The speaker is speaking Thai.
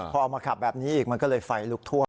พอเอามาขับแบบนี้อีกมันก็เลยไฟลุกท่วม